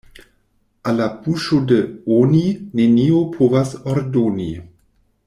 Al la buŝo de "oni" neniu povas ordoni.